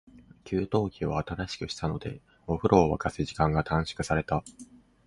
給湯器を新しくしたので、お風呂を沸かす時間が短縮された。